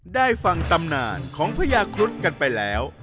ได้ฟังตำนานของพญาครุฑกันไปแล้ว